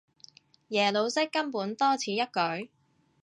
耶魯式根本多此一舉